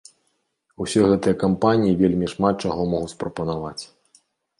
Усе гэтыя кампаніі вельмі шмат чаго могуць прапанаваць.